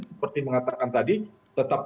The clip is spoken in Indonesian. seperti mengatakan tadi tetap